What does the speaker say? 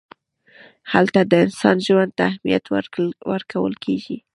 هلته د انسان ژوند ته اهمیت ورکول کېږي.